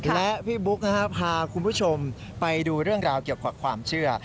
และพี่บุ๊กนะครับพาคุณผู้ชมไปดูเรื่องราวเกี่ยวกับความเชื่อ